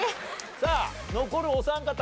さあ残るお三方。